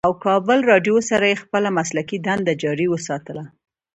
او کابل رېډيو سره ئې خپله مسلکي دنده جاري اوساتله